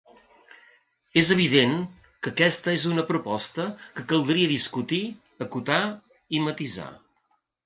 És evident que aquesta és una proposta que caldria discutir, acotar i matisar.